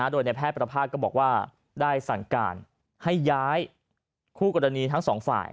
โดยในแพทย์ประภาษณก็บอกว่าได้สั่งการให้ย้ายคู่กรณีทั้งสองฝ่าย